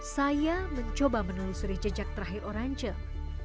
saya mencoba menulis rejejak terakhir orang cofaot